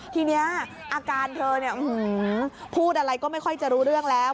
ทีนี้อาการเธอพูดอะไรก็ไม่ค่อยจะรู้เรื่องแล้ว